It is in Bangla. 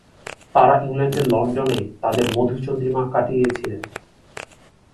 তাঁরা ইংল্যান্ডের লন্ডনে তাঁদের মধুচন্দ্রিমাকাটিয়েছিলেন।